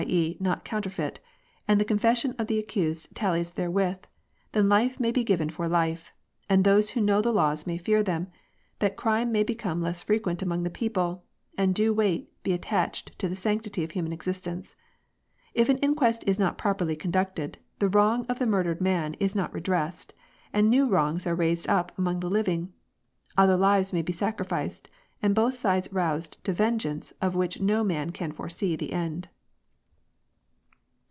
e., not counterfeit], and the confession of the accused tallies therewith, then life may be given for life, that those who know the laws may fear them, that crime may become less frequent among the people, and due weight be attached to the sanctity of human existence. If an inquest is not properly conducted, the wrong of the murdered man is not redressed, and new wrongs are raised up amongst the living; other lives may be sacrificed, and both sides roused to vengeance of which no man can foresee the end."